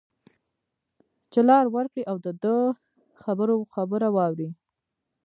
چې لار ورکړی او د ده خبره واوري